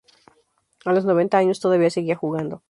A los noventa años todavía seguía jugando.